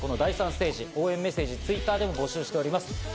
応援メッセージもＴｗｉｔｔｅｒで募集しております。